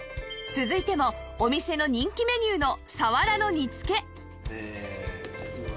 続いてもお店の人気メニューの鰆の煮付